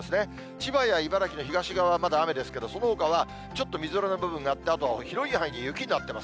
千葉や茨城の東側は、まだ雨ですけど、そのほかはちょっとみぞれの部分があって、あとは広い範囲で雪になってます。